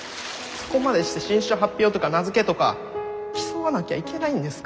そこまでして新種発表とか名付けとか競わなきゃいけないんですか？